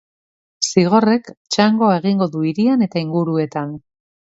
Zigorrek txangoa egingo du hirian eta inguruetan.